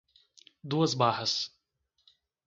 Duas Barras